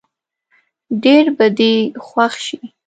ډېر به دې خوښ شي.